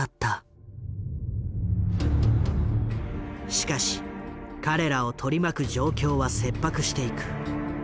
しかし彼らを取り巻く状況は切迫していく。